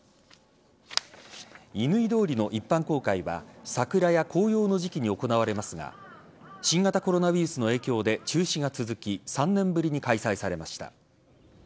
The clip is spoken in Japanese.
乾通りの一般公開は桜や紅葉の時期に行われますが新型コロナウイルスの影響で中止が続き３年ぶりに開催されました。